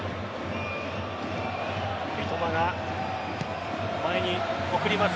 三笘が前に送ります。